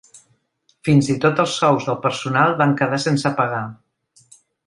Fins i tot els sous del personal van quedar sense pagar.